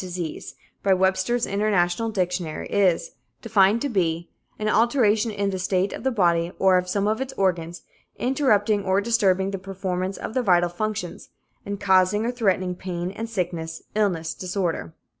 'Disease,' by Webster's International Dictionary, is defined to be, 'an alteration in the state of the body, or of some of its organs, interrupting or disturbing the performance of the vital functions, and causing or threatening pain and sickness; illness, disorder.'